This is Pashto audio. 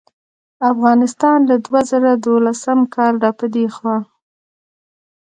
افغانستان له دوه زره دولسم کال راپه دې خوا